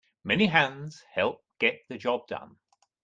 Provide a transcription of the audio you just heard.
Many hands help get the job done.